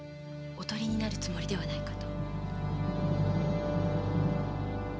囮になるつもりではないかと。